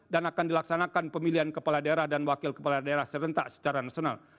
dan akan dilaksanakan pemilihan kepala daerah dan wakil kepala daerah serentak secara nasional